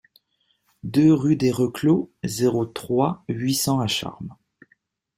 deux rue des Reclos, zéro trois, huit cents à Charmes